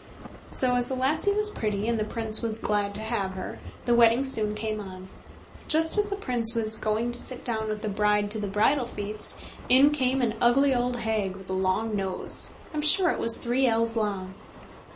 So as the lassie was pretty, and the Prince was glad to have her, the wedding soon came on. But just as the Prince was going to sit down with the bride to the bridal feast, in came an ugly old hag with a long nose—I'm sure it was three ells long.